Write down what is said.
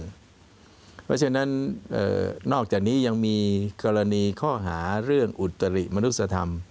เพราะฉะนั้นนอกจากนี้ยังมีกรณีข้อหาเรื่องอุตริมนุษยธรรม